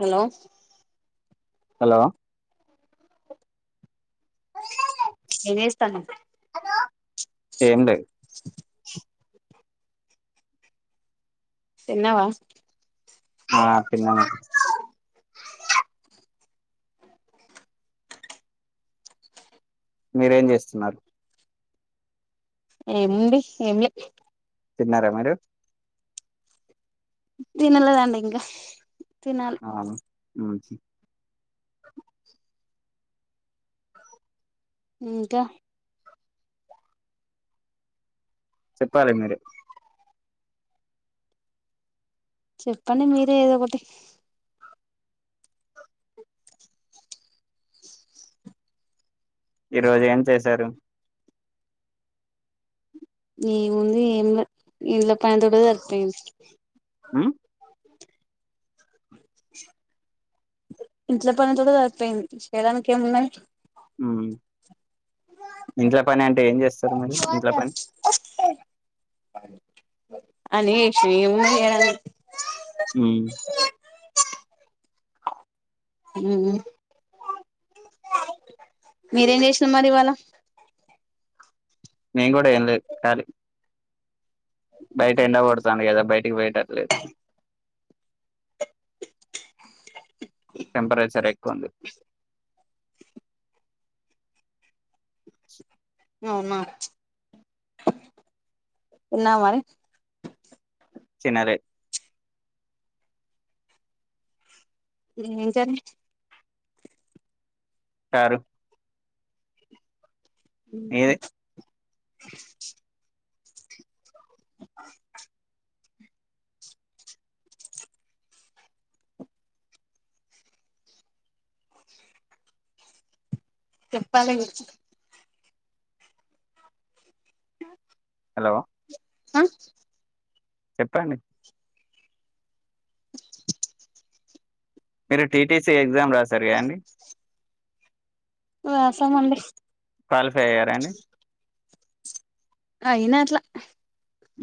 Hello hello ఏం చేస్తునవ్ ఏం లేదు తిన్నావా ఆ తిన్న మీరేం చేస్తున్నారు ఏముంది ఏం లే తిన్నారా మరీ తినలేదండి ఇంకా తినాలి ఆ ఉ ఇంకా చెప్పాలి మీరె చెప్పండి మీరే ఏదో ఒకటి ఈ రోజు ఏం చేశారు ఏముంది ఏం లే ఇంట్ల పని తోటి సరిపోయింది. హ ఇంట్లో పని తోటె సరిపోయింది చేడానికి ఏమున్నది అ ఇంట్ల పని అంటే ఏం చేస్తరు మరీ ఇంట్ల పని. అన్నీ చేసిన ఏమున్నది చెయ్యడానిక్ మ్ మీరేం చేసిర్రు మరి ఇవాళ నేను కూడా ఏం లేదు ఖాళీ. బయట ఎండ కొడతాంది కదా బయటికి పోయటట్లేదు. అవు టెంపరేచర్ ఎక్కువ ఉంది. ఆ అవునా తిన్నావ మరి తినలే ఏం కరీ సారు ఉహూ మీది అ హ చెప్పాలి హలో ఆ చెప్పండి మీరు టీటీసీ ఎగ్జామ్ రాసారుగాని రాసామండ క్వాలిఫై అయ్యారా అండి ఆ ఇనాట్లా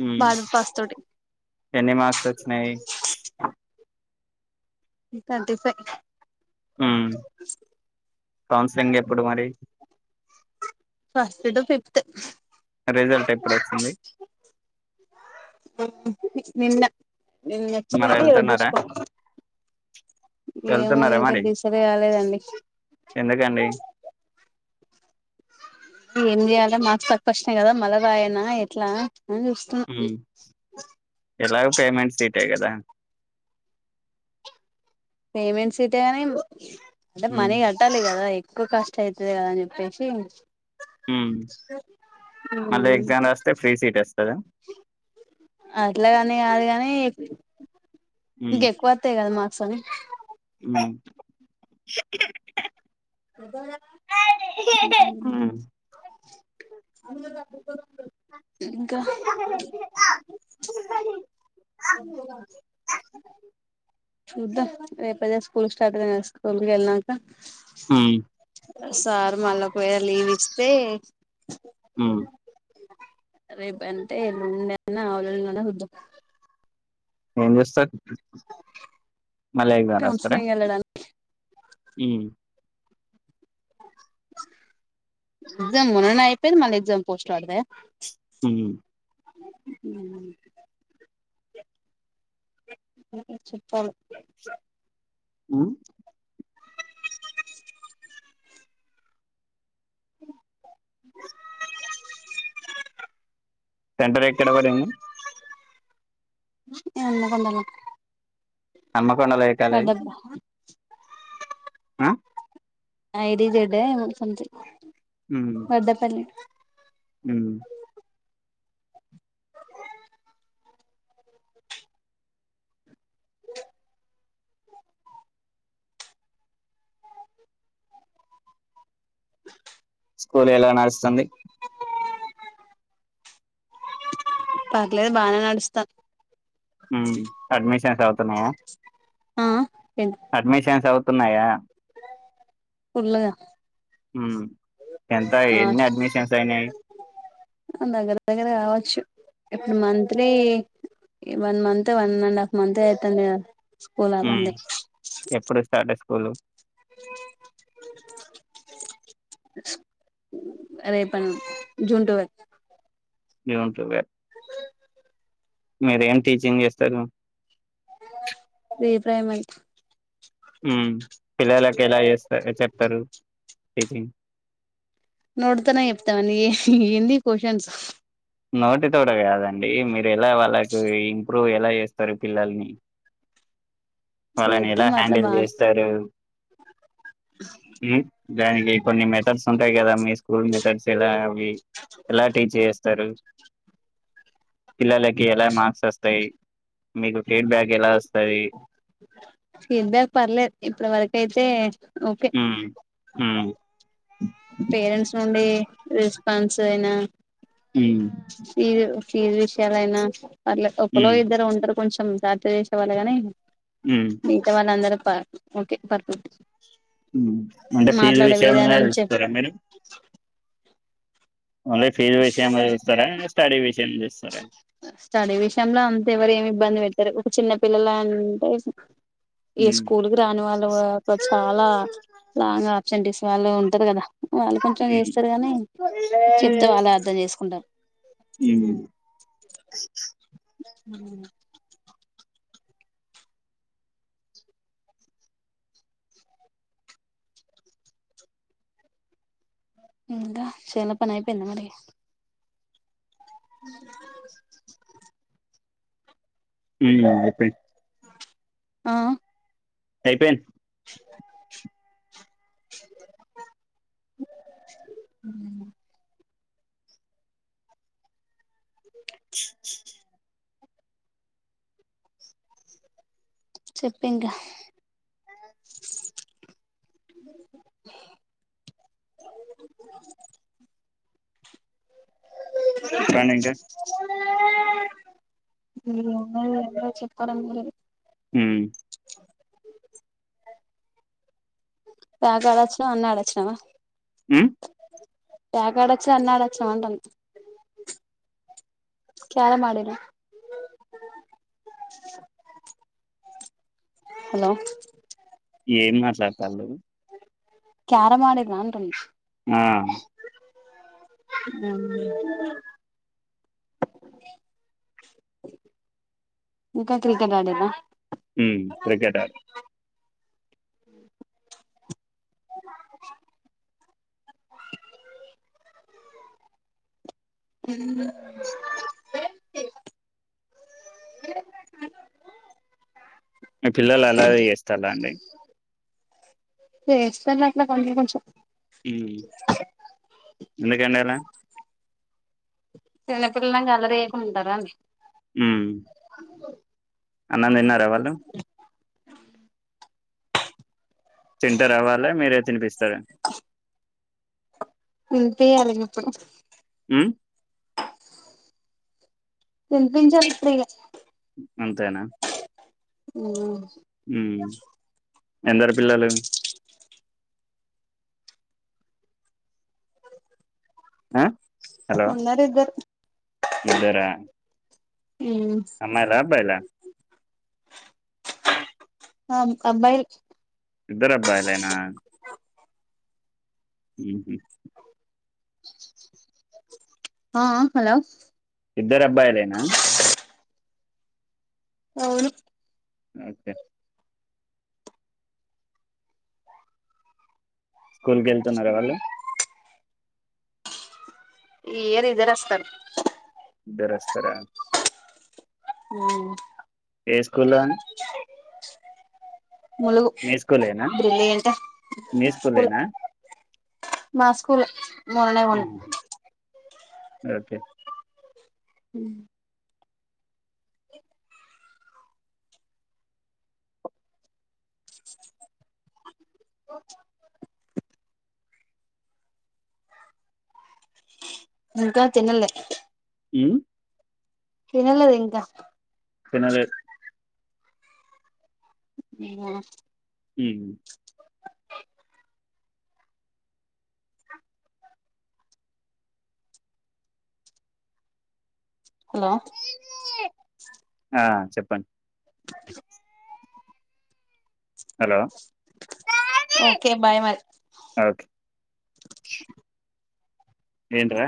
ఉ ఎన్ని మార్క్స్ వచ్చినాయి టోన్టీ కౌన్సలింగ్ ఎప్పుడు మరి ఫస్ట్ టు ఫిఫ్త్ రిజల్ట్ ఎప్పుడు వచ్చింది నిన్న నచ్చదు మరి గాని ఇది వెళ్తున్నారా తీసుకో ఏమో వెళ్తున్నారా ఇంకా మరి డిసైడ్ కాలేదండి ఎందుకండి ఏం చేయాలా మార్క్స్ తక్కువ వచ్చినాయి కదా మల్ల రాయనా ఎట్లా అని చూస్తున్నా హ్ ఎలాగ పేమెంట్స్ సీటె కదా మేమ్ ఏ సిటీ అని అంటే ఉమ్ మనీ కట్టాలి కదా ఎక్కువ కష్ట అవుతది కద అని చెప్పేసి హ్ మళ్ళీ ఎగ్జామ్ రాస్తే ఫ్రీ సీట్ వస్తదా అట్లా కాని అది కానీ ఉమ్ ఇంకా ఎక్కువ వత్తాయి కదా మార్క్స్ అనీ హ స్ ఉమ్ అ ఇంకా ముద్ద రేపు అదే స్కూల్ కి స్టార్ట్ అయిన స్కూల్కి వెళ్లినాక ఉమ్ సార్ మల్ల ఒకవేళ లివ్ ఇస స్తే ఉ రేపు అంటే ఎల్లుండి అన్న ఆవులఎల్లుండి అన్న చూదాం ఏమ్ చేస్తారు మల్లా ఎగ్జామ్ రాస్తారా కౌన్సిలింగ్ వెళ్ళడానికి హ్ ఎగ్జామ్ మొన్ననే అయిపోయింది మళ్ళీ ఎగ్జామ్ పోస్ట్లు పడతయా హుమ్మ్ హ్ చెప్పాలా ఉ సెంటర్ ఎక్కడ పడింది. హన్మకొండల హన్మకొండల ఏ కాలేజీ? అ I D Z A something Vaddepalli. హ్ స్కూల్ ఎలా నడుస్తుంది. పర్లేద్ బానే నడుస్తాన్ హ్ అడ్మిషన్ రాద్ నయా ఆ ఏంటి అడ్మిషన్స్ అవు తున్నాయా? ఫుల్గా. మ్ ఎంత ఎన్ని అడ్మిషన్స్ అయినయి. దగ్గర దగ్గర కావచ్చు. ఇప్పుడు monthly one month one and half మంతే అయితాంది కదా స్కూల్ ఆ బంద్ ఎప్పుడు స్టార్ట్ [inaudible] అరే పం జూన్ ట్వేవెల్ [unintelligible] [inaudible] మీరేం టీచింగ్ చేస్తారు. భిప్రాయం అంటా ఉమ్ పిల్లలకి ఎలా చేస్తారు చెప్తారు టీచింగ్ నోట్తోనే చెప్తాంది ఏ ఏంది ఈ క్యూషన్స్ నోటి తోట కాదండి మీరు ఎలా వాళ్ళకు ఇంప్రూవ్ ఎలా చేస్తారు పిల్లల్ని వాళ్ళని ఎలా చేత్తం అట్లా హ్యాండిల్ బానే చేస్తారు. హ్ దానికి కొన్ని మెథడ్స్ ఉంటాయి కదా మీ స్కూల్ మెథడ్స్. [inaudible] ఎలా టీచ్ చేస్తరు. పిల్లలకి ఎలా మార్స్ వస్తయి. మీకు ఫీడ్బ్యాక్ ఎలా వ ఫీడ్బ్యాక్ పర్లేద్ ఇప్పట్వరకయితే హ్ హ్ పేరెంట్స్ నుండీ ఫండ్స్ అయినా ఉ ఏ విషయాలైనా పర్లే ఒకలో ఉమ్ ఇద్దరు ఉంటరు. కొంచెం జాత చేసే వాళ్లేగానే ఉమ్ మిగతా వాళ్ళ అందరూ ప ఓకే పర్పుల్ ఉ అంటే ఫీజు గిట్ల ఎమన్నా చెప్ వెంచుతార మెరూన్ అదె ఫీజ విషయం ల చూస్తారా స్టడీ విషయం చూస్త్ సరే స్టడీ విషయంలో అంత ఎవరు ఏమి ఇబ్బంది పెట్టరు ఒక చిన్న పిల్లలు అంటే ఈ ఉమ్ స్కూల్ కి రాని వాళ్ళు చాలా లాంగ్ చండిస్ వాళ్ళు ఉంటరు కదా వాళ్ళు కొంచెం ఉమ్ చేస్తారు కానీ చెప్తే వాళ్ళే అర్థం చేసుకుంటారు ఉమ్ హ ఇంకా చేన్ లో పని అయిపోయింద మరి ఉ అయిపోయింది ఆ అయిపోయింది ఉ చెప్పు ఇంకా చెప్పండి ఇంకా ఏమున్నాదిరా ఇంకా చెప్పడం లేదు ఉ పాక అడచ్చినవ్ అన్నే అడచ్చినవా ఉ పాకా ఆడచ్చ అన్నేడాచ్చినవ్ అంటన్న క్యారం ఆడి రా హలో ఏం మాట్లాడతాళ్లు క్యారం ఆడి రా అంటున్నా ఆ ఇంకా క్రికెట్ ఆడిండ్రా హూ క్రికెట్ మీ పిల్లలు అల్లరి చేస్తాడా అండి చేస్తారు అట్లా కొంచం కొంచెం హు ఎందుకండలా చిన్నపిల్లలు అన్నాక అల్లరి చేయకుండా ఉంటారా అండి హూ ఉంగొ అన్నం తిన్నారా వాళ్ళు తింటారా వాళ్లే మీరే తినిపిస్తార తినిపియ్యాలి ఇగ ఇప్పుడు హూ తినిపించాలి ఇప్పుడు ఇగ అంతేనా ఉ ఉమ్ ఎందరు పిల్లలు ఆ హలో ఉన్నారు ఇద్దరు అమ్మాయిల అబ్బాయిల ఆ అబ్బాయిల్ ఇద్దరు అబ్బాయిలేనా ఉమ్ ఆ ఆ హలో ఇద్దరు అబ్బాయిలేనా అవును ఓకే స్కూల్ కి వెళ్తున్నారా వాళ్ళు ఈ ఇయర్ ఇద్దరు అస్తరు ఇద్దరు రాస్తారా ఉ ఏ స్కూలా హెచ్ ములుగు మీ స్కూలేనా బ్రిలియంట్ మీ స్కూల్ స్కూలేనా మా స్కూలే మొన్ననే కొని మ్మ్. ఓకే హ ఇంకా తినలే ఉ తినలేదు ఇంకా తినలేద్ హ్మ్ హ్మ్ హలో ఆ చెప్పండి హుక్ ఓకే బాయ్ మరి స ఏంట్రా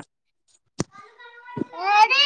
అది